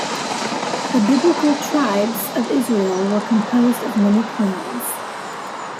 The Biblical 'tribes' of Israel were composed of many clans.